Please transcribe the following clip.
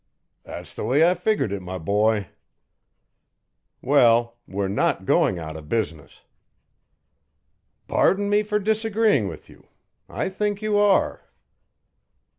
"That's the way I figured it, my boy." "Well we're not going out of business." "Pardon me for disagreeing with you. I think you are."